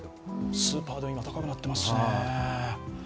スーパーでも、今高くなってますしね。